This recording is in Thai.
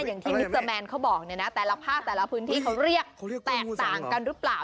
อย่างที่มิสเตอร์แมนเขาบอกเนี่ยนะแต่ละภาคแต่ละพื้นที่เขาเรียกแตกต่างกันหรือเปล่า